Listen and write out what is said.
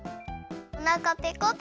おなかペコペコ！